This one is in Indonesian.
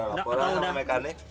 sudah laporan sama mekanik